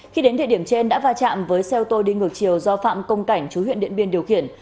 khi đến địa điểm trên đã va chạm với xe ô tô đi ngược chiều do phạm công cảnh chú huyện điện biên điều khiển